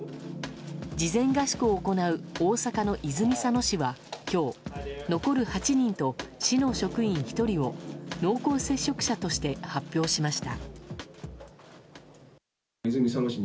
事前合宿を行う大阪の泉佐野市は今日残る８人と、市の職員１人を濃厚接触者として発表しました。